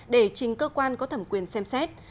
để chính cơ quan có thẩm quyền xem xét